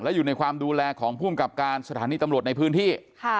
อยู่ในความดูแลของภูมิกับการสถานีตำรวจในพื้นที่